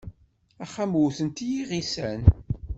Axxam wwten-t yiγisan.